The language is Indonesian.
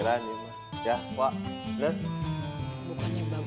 salah saya tuh gue pikiran